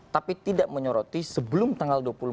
tapi tidak menyoroti sebelum tanggal dua puluh empat